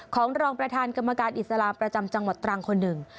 ของรองประธานกรรมการอิสลามประจำจังหวัดตรังคนหนึ่ง